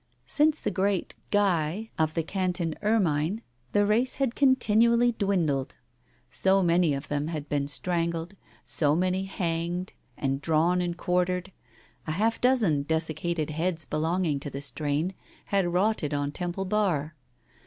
Since the great Guy of the canton ermine, the race had continually dwindled. So many of them had been strangled, so many hanged and drawn and quartered, a half dozen desiccated heads belonging to the strain had rotted on Temple Bar.